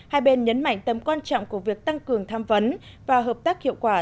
một mươi bốn hai bên nhấn mạnh tầm quan trọng của việc tăng cường tham vấn và hợp tác hiệu quả